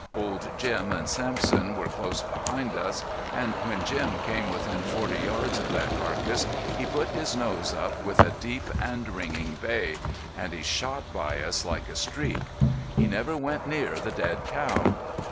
Old Jim and Sampson were close behind us, and when Jim came within forty yards of that carcass he put his nose up with a deep and ringing bay, and he shot by us like a streak. He never went near the dead cow!